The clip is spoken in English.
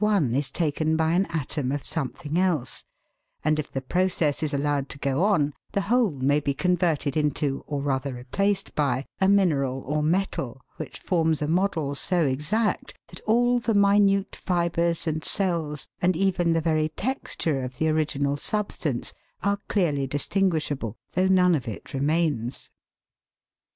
181 one is taken by an atom of something else, and if the process is allowed to go on, the whole may be converted into, or rather replaced by, a mineral or metal, which forms a model so exact that all the minute fibres and cells and even the very texture of the original substance are clearly distinguishable, though none of it remains.